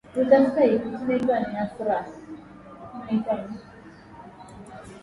akitawala nchi hiyo bila maeneo ya Afrika ya Mashariki